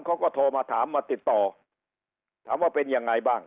เขาก็โทรมาถามมาติดต่อถามว่าเป็นยังไงบ้าง